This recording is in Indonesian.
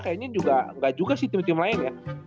kayaknya gak juga sih tim tim lain